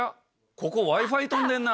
ここＷｉ−Ｆｉ飛んでるな。